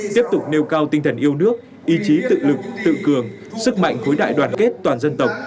tiếp tục nêu cao tinh thần yêu nước ý chí tự lực tự cường sức mạnh khối đại đoàn kết toàn dân tộc